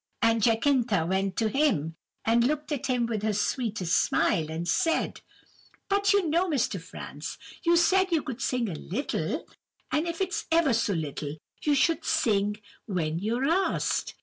And Jacintha went to him, and looked at him with her sweetest smile, and said, 'But you know, Mr. Franz, you said you could sing a little; and if it's ever so little, you should sing when you're asked!